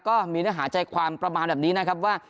ก็มีเนื้อหาใจความประมาณแบบนี้นะครับว่า